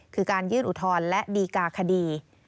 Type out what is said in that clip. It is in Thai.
คือการยื่นอุทธรณ์และดีกาคดี